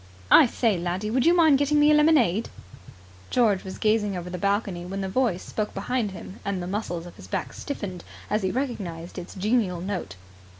"I say, laddie, would you mind getting me a lemonade?" George was gazing over the balcony when the voice spoke behind him, and the muscles of his back stiffened as he recognized its genial note.